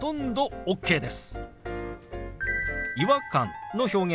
ＯＫです。